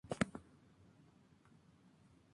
A los tres amigos les gustaría estar entre esos millones.